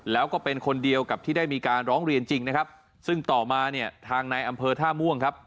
แล้วก็เป็นคนเดียวกับที่ได้มีการร้องเรียนจริงนะครับซึ่งต่อมาเนี่ยทางในอำเภอท่าม่วงครับ